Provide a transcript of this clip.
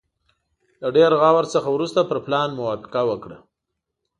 له ډېر غور څخه وروسته پر پلان موافقه وکړه.